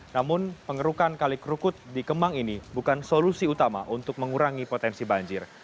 namun pengerukan kali kerukut di kemang ini bukan solusi utama untuk mengurangi potensi banjir